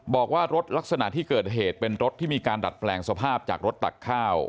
บอกว่ารถลักษณะที่เกิดเหตุเป็นรถที่มีการดัดแปลงสภาพจากรถตักข้าว